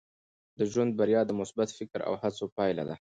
د ژوند بریا د مثبت فکر او هڅو پایله ده.